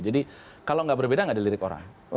jadi kalau gak berbeda gak ada lirik orang